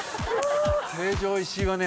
成城石井はね